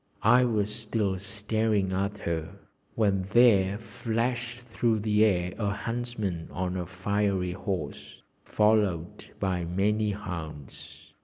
I was still staring at her when there flashed through the air a huntsman on a fiery horse, followed by many hounds.